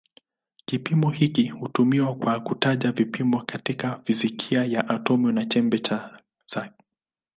Kipimo hiki hutumiwa kwa kutaja vipimo katika fizikia ya atomi na chembe zake.